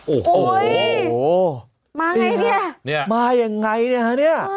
โอ้โหมาอย่างไรนี่นี่ครับมาอย่างไรนี่ฮะ